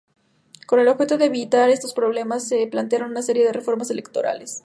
Con el objeto de evitar estos problemas, se plantearon una serie de reformas electorales.